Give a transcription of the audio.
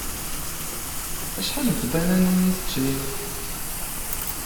Acḥal n tbananin i teččiḍ?